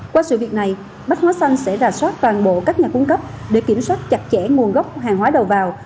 qua sự việc này bách hóa xanh sẽ rà soát toàn bộ các nhà cung cấp để kiểm soát chặt chẽ nguồn gốc hàng hóa đầu vào